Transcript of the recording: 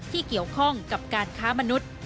ที่เกี่ยวข้องกับการค้ามนุษย์